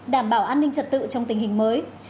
đảm bảo an ninh trật tự trong tình hình mới